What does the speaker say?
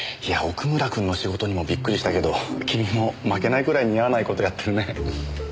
いや奥村くんの仕事にもびっくりしたけど君も負けないくらい似合わない事やってるね。